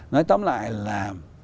nói tóm lại là